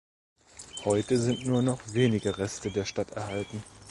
Heute sind nur noch wenige Reste der Stadt erhalten.